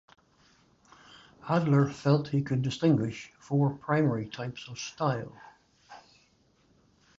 Adler felt he could distinguish four primary types of style.